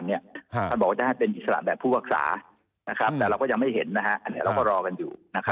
ท่านบอกว่าจะให้เป็นอิสระแบบผู้พักษาแต่เราก็ยังไม่เห็นอันนี้เราก็รอกันอยู่